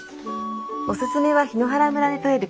おすすめは檜原村で採れる